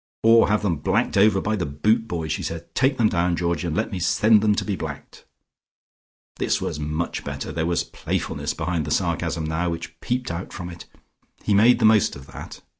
"Or have them blacked over by the boot boy," she said. "Take them down, Georgie, and let me send them to be blacked." This was much better: there was playfulness behind the sarcasm now, which peeped out from it. He made the most of that.